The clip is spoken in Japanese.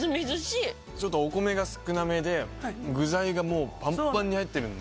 ちょっとお米が少なめで具材がパンパンに入ってるんで。